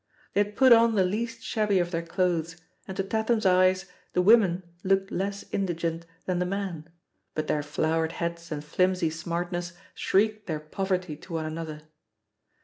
They had put on the least shabby of their clothes and to Tatham's eyes the women looked less indigent than the men, but their flowered hats and flimsy smartness shrieked their poverty to one another.